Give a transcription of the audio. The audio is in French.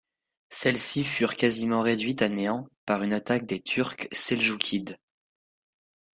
Celles-ci furent quasiment réduites à néant par une attaque des turcs seljoukides.